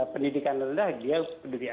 pendidikan rendah dia